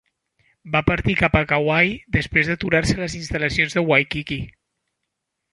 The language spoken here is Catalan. Va partir cap a Kauai després d'aturar-se a les instal·lacions de Waikiki.